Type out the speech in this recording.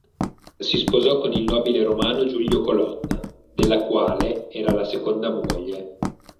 Si sposò con il nobile romano, Giulio Colonna, della quale era la seconda moglie.